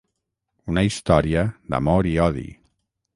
Una història d'amor i odi.